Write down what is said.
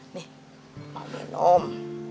nih mau minum